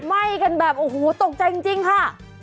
ไหม้กันแบบโอ้โหตกใจจริงค่ะ